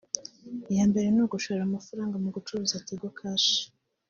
iyambere ni ugushora amafaranga mu gucuruza Tigo Cash